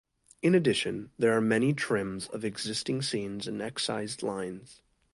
In addition, there are many trims of existing scenes and excised lines.